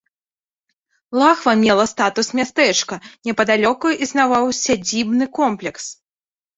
Лахва мела статус мястэчка, непадалёку існаваў сядзібны комплекс.